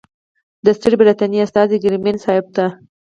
د ستري برټانیې استازي ګریفین صاحب ته.